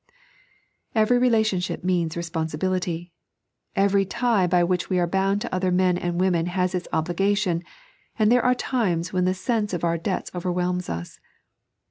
Every relationship means responsibility. Eveiy tie by which we are bound to other men and women has its obligation, and there are times when the sense of our debts overwhelms us.